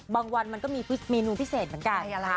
บางวันมันมีมีมีนุ่นพิเศษประกัน